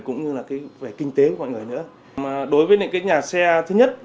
cũng như là cái về kinh tế của mọi người nữa mà đối với những cái nhà xe thứ nhất